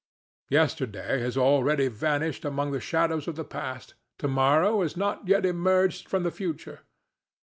Yesterday has already vanished among the shadows of the past; to morrow has not yet emerged from the future.